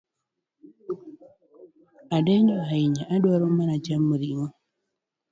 Adenyo ahinya , adwa mana chamo ring’o